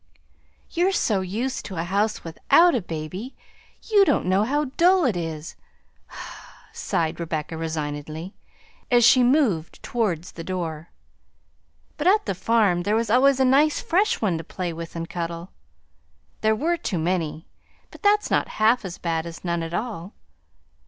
"You're so used to a house without a baby you don't know how dull it is," sighed Rebecca resignedly, as she moved towards the door; "but at the farm there was always a nice fresh one to play with and cuddle. There were too many, but that's not half as bad as none at all.